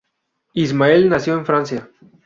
Ismael nació en Francia.